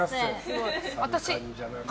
私。